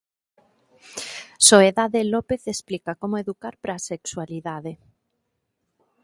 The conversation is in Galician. Soedade López explica como educar para a sexualidade.